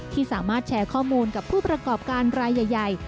ที่สามารถแชร์ข้อมูลกับผู้ประกอบการรายใหญ่